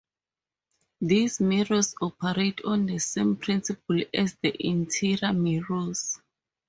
These mirrors operate on the same principle as the interior mirrors.